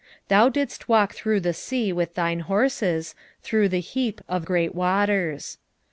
3:15 Thou didst walk through the sea with thine horses, through the heap of great waters.